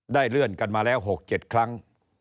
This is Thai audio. เลื่อนกันมาแล้ว๖๗ครั้ง